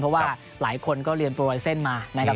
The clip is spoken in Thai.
เพราะว่าหลายคนก็เรียนโปรไลเซ็นต์มานะครับ